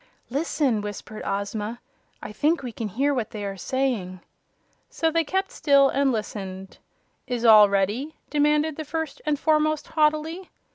"Listen!" whispered Ozma. "I think we can hear what they are saying." So they kept still and listened. "Is all ready?" demanded the First and Foremost, haughtily.